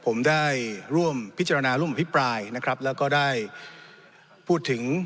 ผมได้ร่วมพิจารณาร่วมอภิปรายนะครับแล้วก็ได้พูดถึง